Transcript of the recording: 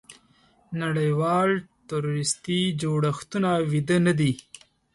نړیوال تروریستي جوړښتونه ویده نه دي.